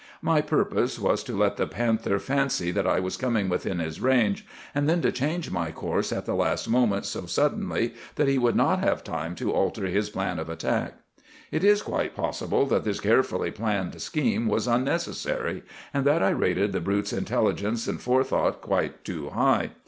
My purpose was to let the panther fancy that I was coming within his range, and then to change my course at the last moment so suddenly that he would not have time to alter his plan of attack. It is quite possible that this carefully planned scheme was unnecessary, and that I rated the brute's intelligence and forethought quite too high.